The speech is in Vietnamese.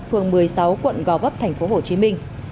phường một mươi sáu quận gò vấp thành phố hồ chí minh